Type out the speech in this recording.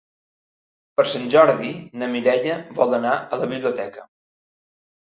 Per Sant Jordi na Mireia vol anar a la biblioteca.